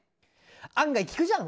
案外効くじゃん！